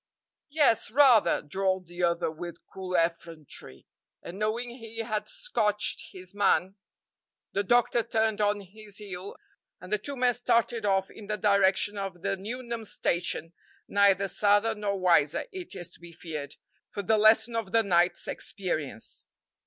"Yes, rather," drawled the other with cool effrontery; and knowing he had scotched his man, the doctor turned on his heel, and the two men started off in the direction of the Nuneham station, neither sadder nor wiser, it is to be feared, for the lesson of the night's experience.